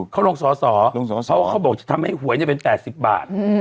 เพราะว่าเค้าบอกทำให้หวยเนี่ยเป็น๘๐บาท